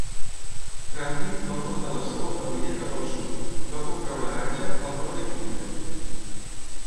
Franklin va portar la seva família cap al sud i va comprar una granja al nord de Kinder.